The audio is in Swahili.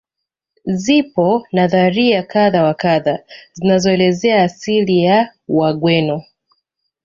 Zipo nadharia kadha wa kadha zinazoeleza asili ya wagweno